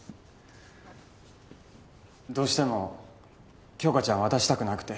どうしても杏花ちゃんを渡したくなくて